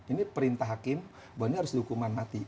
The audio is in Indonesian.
ini perintah hakim bahwa ini harus dihukuman mati